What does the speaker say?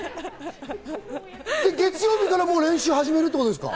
月曜日からもう練習始めるってことですか？